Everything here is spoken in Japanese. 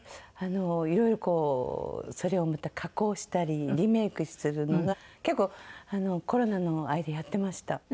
いろいろこうそれをまた加工したりリメイクするのが結構コロナの間やってました。